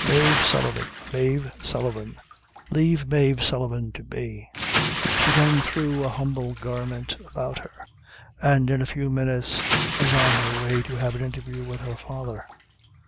Mave Sullivan! Mave Sullivan! lave Mave Sullivan to me!" She then threw an humble garment about her, and in a few minutes was on her way to have an interview with her father.